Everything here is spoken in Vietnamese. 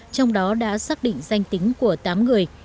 trong đó đã xác định danh tính của tám người